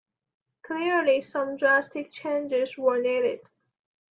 Clearly some drastic changes were needed.